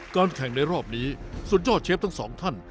แข่งในรอบนี้สุดยอดเชฟทั้งสองท่าน